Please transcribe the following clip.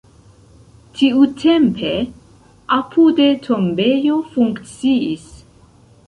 Tiutempe apude tombejo funkciis.